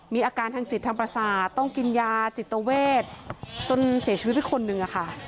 มีอาการทางจิตทางประสาทต้องกินยาจิตเวทจนเสียชีวิตไปคนนึงค่ะ